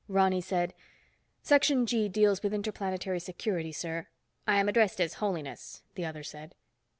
Ronny said, "Section G deals with Interplanetary Security, sir—" "I am addressed as Holiness," the other said.